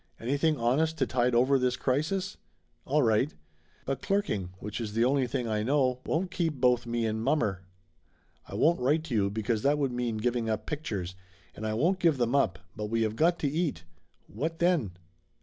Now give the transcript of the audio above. Anything honest to tide over this crisis? All right! But clerking, which is the only thing I know, won't keep both me and mommer. I won't write to you, because that would mean giving up pictures, and I won't give them up, but we have got to eat. What then?"